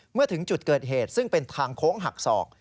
เมื่อถึงจุดเกิดเหตุซึ่งเป็นทางโค้งหักศอก